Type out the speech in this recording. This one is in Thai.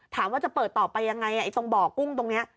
ถามว่าจะเปิดต่อไปยังไงตรงบ่อกุ้งตรงนี้